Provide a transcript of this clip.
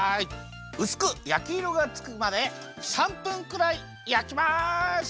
うすくやきいろがつくまで３分くらいやきます！